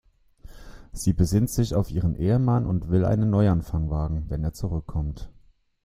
Sie besinnt sich auf ihren Ehemann und will einen Neuanfang wagen, wenn er zurückkommt.